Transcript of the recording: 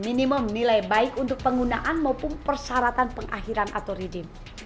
minimum nilai baik untuk penggunaan maupun persyaratan pengakhiran atau rejim